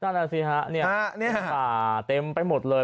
นี่ป่าเต็มไปหมดเลย